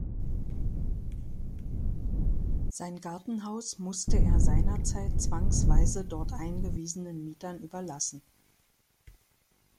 Sein Gartenhaus musste er seinerzeit zwangsweise dort eingewiesenen Mietern überlassen.